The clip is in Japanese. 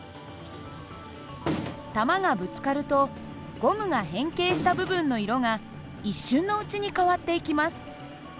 球がぶつかるとゴムが変形した部分の色が一瞬のうちに変わっていきます。